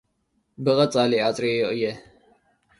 ብቐጻሊ ኣጽረዮ እየ።